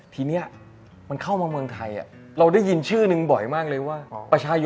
ทีนี้มันเข้ามาเมืองไทยเราได้ยินชื่อหนึ่งบ่อยมากเลยว่าประชาชน